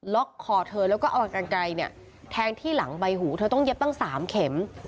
คอเธอแล้วก็เอากันไกลเนี่ยแทงที่หลังใบหูเธอต้องเย็บตั้ง๓เข็ม